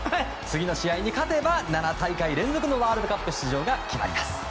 次の試合に勝てば７大会連続のワールドカップ出場が決まります。